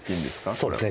そうですね